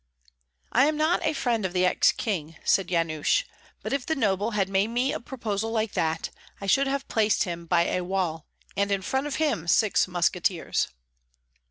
'" "I am not a friend of the ex king," said Yanush; "but if the noble had made me a proposal like that, I should have placed him by a wall, and in front of him six musketeers."